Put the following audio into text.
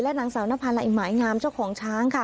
และนางสาวนภัณฑ์ไหล่หมายงามเจ้าของช้างค่ะ